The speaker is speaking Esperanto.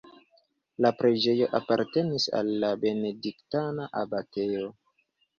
La preĝejo apartenis al la benediktana abatejo.